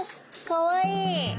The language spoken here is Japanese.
かわいい。